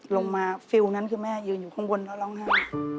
ลงมาฟิลล์นั้นคือแม่ยืนอยู่ข้างบนแล้วร้องไห้